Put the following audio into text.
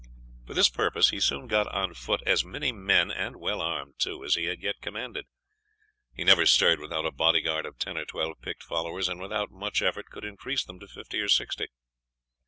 For this purpose he soon got on foot as many men, and well armed too, as he had yet commanded. He never stirred without a body guard of ten or twelve picked followers, and without much effort could increase them to fifty or sixty.